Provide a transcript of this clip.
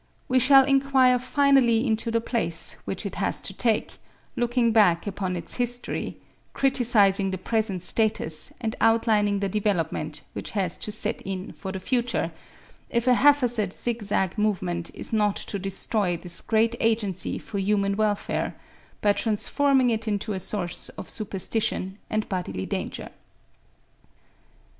We shall inquire finally into the place which it has to take, looking back upon its history, criticising the present status and outlining the development which has to set in for the future, if a haphazard zigzag movement is not to destroy this great agency for human welfare by transforming it into a source of superstition and bodily danger.